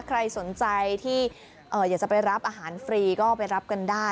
ใครสนใจที่อยากจะไปรับอาหารฟรีก็ไปรับกันได้